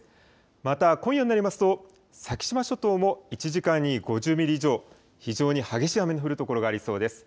また今夜になりますと先島諸島も１時間に５０ミリ以上、非常に激しい雨の降る所がありそうです。